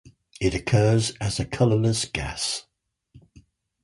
It occurs as a colorless gas.